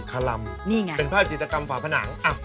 คลำเป็นภาพจิตรกรรมฝาผนังอ้าวนี่ไง